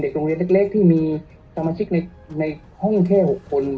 โรงเรียนเล็กที่มีสมาชิกในห้องแค่๖คน